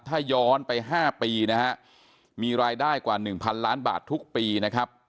ถ้าย้อนไป๕ปีนะฮะมีรายได้กว่า๑๐๐ล้านบาททุกปีนะครับ